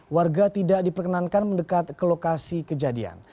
warga tidak diperkenankan mendekat ke lokasi kejadian